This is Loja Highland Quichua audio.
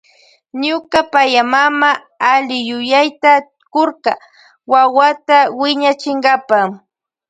Ñuka payamama alliyuyayta kurka wawata wiñachinkapa.